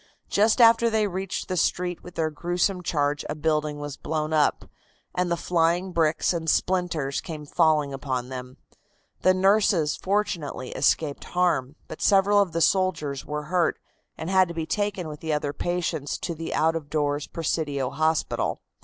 Just after they reached the street with their gruesome charge a building was blown up, and the flying bricks and splinters came falling upon them. The nurses fortunately escaped harm, but several of the soldiers were hurt, and had to be taken with the other patients to the out of doors Presidio hospital.